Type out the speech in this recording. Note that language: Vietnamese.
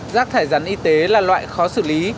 rác thải rắn y tế là loại khó xử lý